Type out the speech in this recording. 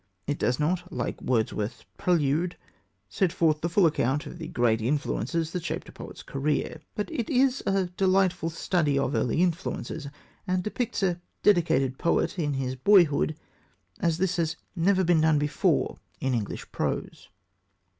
It does not, like Wordsworth's Prelude, set forth the full account of the great influences that shaped a poet's career. But it is a delightful study of early influences, and depicts a dedicated poet in his boyhood as this has never been done before in English prose.